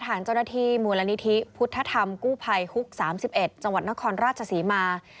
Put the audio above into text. ทางเจ้าหน้าที่มูลนิธิพุทธธรรมกู้ภัยฮุก๓๑จังหวัดนครราชศรีมา